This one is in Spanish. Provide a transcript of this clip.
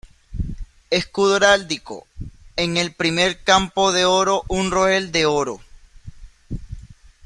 Escudo Heráldico: En el primer campo de oro un roel de Oro.